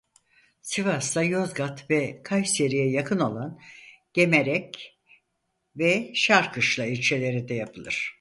Sivas'ta Yozgat ve Kayseri'ye yakın olan Gemerek ve Şarkışla ilçelerinde yapılır.